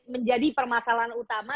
menjadi permasalahan utama